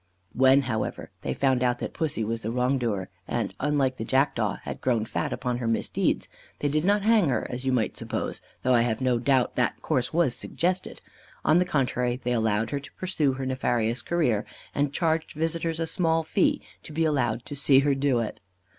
When, however, they found out that Pussy was the wrong doer, and, unlike the Jackdaw, had grown fat upon her misdeeds, they did not hang her, as you might suppose, though I have no doubt that course was suggested; on the contrary, they allowed her to pursue her nefarious career, and charged visitors a small fee to be allowed to see her do it.